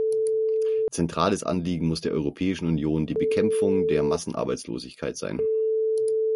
Zentrales Anliegen muss der Europäischen Union die Bekämpfung der Massenarbeitslosigkeit sein.